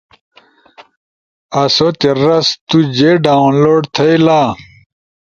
آسو تے رس تو جے ڈاونلوڈ تھئیلا: